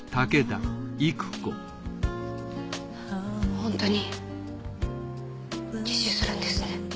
本当に自首するんですね。